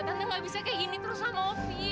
tanda tanda gak bisa kayak gini terus sama opi